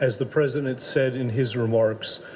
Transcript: seperti yang telah dikatakan presiden